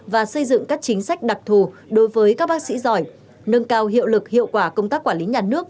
và xây dựng các chính sách đặc thù đối với các bác sĩ giỏi nâng cao hiệu lực hiệu quả công tác quản lý nhà nước